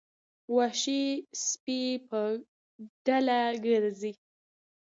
وحشي سپي په ډله ګرځي.